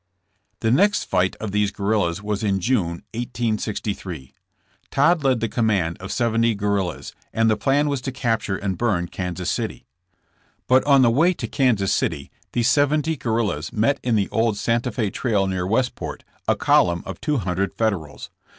The next fight of these guerrillas was in June, 1863. Todd led the command of seventy guerrillas, 40 JRSSE JAMES. and the plan was to capture and burn Kansas City. But on the way to Kansas City these seventy guer rillas met in the old Sante Fe trail near Westport a column of two hundred Federals.